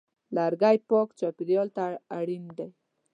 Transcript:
لرګی پاک چاپېریال ته اړین دی.